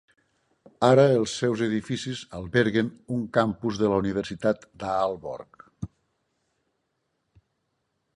Ara els seus edificis alberguen un campus de la Universitat d'Aalborg.